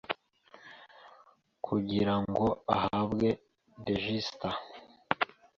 kugira ngo uhabwe register